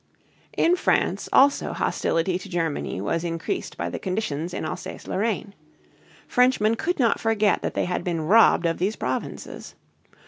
In France also hostility to Germany was increased by the conditions in Alsace Lorraine. Frenchmen could not forget that they had been robbed of these provinces.